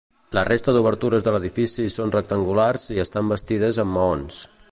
La resta d'obertures de l'edifici són rectangulars i estan bastides amb maons.